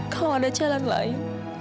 kalau ada jalan lain